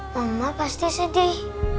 mama pasti sedih